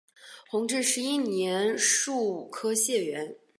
弘治十一年戊午科解元。